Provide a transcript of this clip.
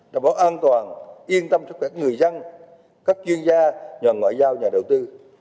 đảm bảo an toàn yên tâm cho các người dân các chuyên gia nhà ngoại giao nhà đầu tư